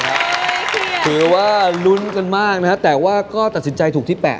เครียดคือว่ารุ้นกันมากนะแต่ก็ตัดสินใจถูกที่แปะ